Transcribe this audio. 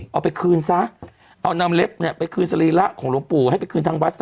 เอาไปคืนซะเอานำเล็บเนี่ยไปคืนสรีระของหลวงปู่ให้ไปคืนทางวัดซะ